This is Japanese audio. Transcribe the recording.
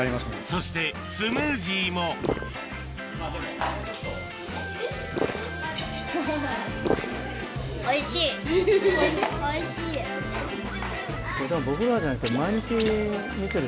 そしてスムージーもこれでも僕らじゃなくて。